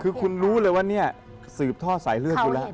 คือคุณรู้เลยว่านี่สืบท่อสายเลือกอยู่นะ